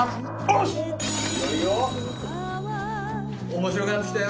面白くなってきたよ！